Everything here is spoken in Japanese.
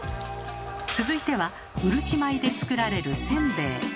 続いてはうるち米で作られるせんべい。